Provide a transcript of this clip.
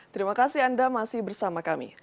terima kasih anda masih bersama kami